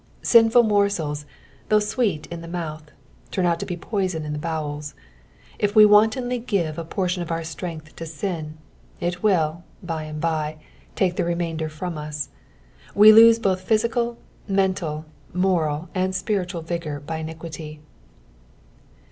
Binful morsels, though sweet in the mouth, turn out ta be poison in the bowels : if we wantonly give a portion of our strength to sin, it will by and by take the rumsinder from us. We lose both physical, mental, mor^, and spiritual vigour by iniquity.